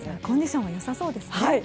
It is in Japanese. コンディション良さそうですね。